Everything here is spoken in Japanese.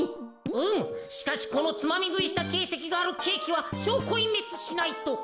うんしかしこのつまみぐいしたけいせきがあるケーキはしょうこいんめつしないと。